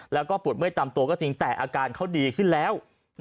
แล้วก็ปวดเมื่อยตามตัวก็จริงแต่อาการเขาดีขึ้นแล้ว